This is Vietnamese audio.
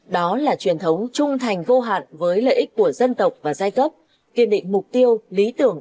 đó là truyền thống trung thành vô hạn với lợi ích của dân tộc và giai cấp kiên định mục tiêu lý tưởng